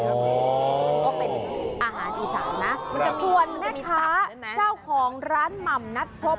ก็เป็นอาหารอีสานนะส่วนแม่ค้าเจ้าของร้านหม่ำนัดพบ